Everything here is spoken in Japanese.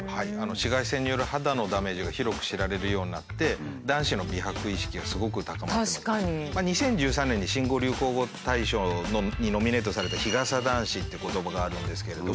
紫外線による肌のダメージが広く知られるようになって２０１３年に新語・流行語大賞にノミネートされた「日傘男子」って言葉があるんですけれども。